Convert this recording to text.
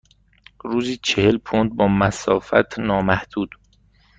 روزی چهل پوند با مسافت نامحدود.